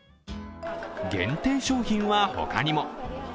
限定商品は他にも。